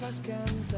kita lepaskan diri